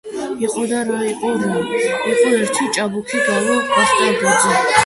იყო და არა იყო რა იყო ერთი ჭაბუკი გაბო ვახტანგაძე